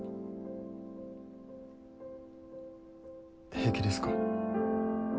平気ですか？